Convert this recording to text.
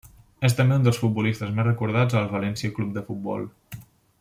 És també un dels futbolistes més recordats al València Club de Futbol.